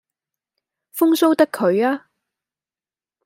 風騷得佢吖